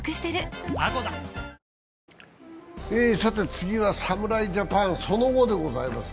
次は侍ジャパン、その後でございます。